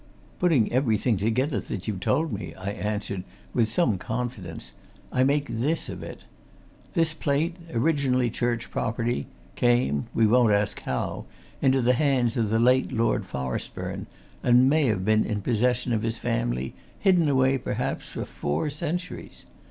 "Putting everything together that you've told me," I answered, with some confidence, "I make this of it. This plate, originally church property, came we won't ask how into the hands of the late Lord Forestburne, and may have been in possession of his family, hidden away, perhaps, for four centuries.